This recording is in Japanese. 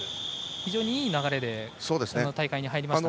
非常にいい流れでこの大会に入りました。